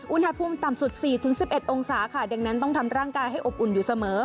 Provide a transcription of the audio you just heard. อุณหภูมิต่ำสุด๔๑๑องศาค่ะดังนั้นต้องทำร่างกายให้อบอุ่นอยู่เสมอ